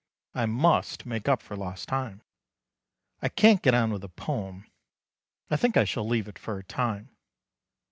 I must make up for lost time. I can't get on with the poem. I think I shall leave it for a time.